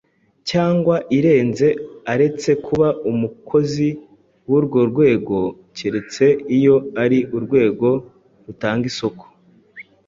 cyangwa irenze aretse kuba umukozi w’urwo rwego keretse iyo ari urwego rutanga isoko